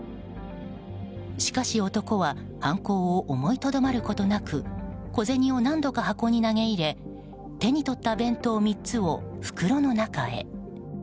しかし、男は犯行を思いとどまることなく小銭を何度か箱に投げ入れ手に取った弁当３つを、袋の中へ。